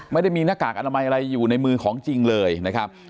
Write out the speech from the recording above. ไม่ได้มีหน้ากากอนามัยอะไรอยู่ในมือของจริงเลยนะครับ